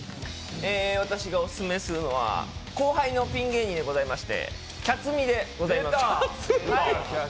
私がオススメするのは後輩のピン芸人でございまして、キャツミでございます。